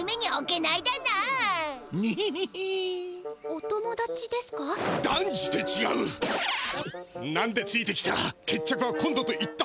なんでついてきた？